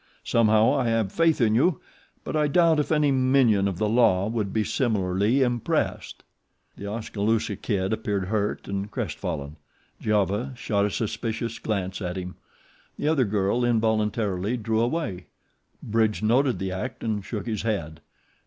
Somehow I have faith in you; but I doubt if any minion of the law would be similarly impressed." The Oskaloosa Kid appeared hurt and crestfallen. Giova shot a suspicious glance at him. The other girl involuntarily drew away. Bridge noted the act and shook his head.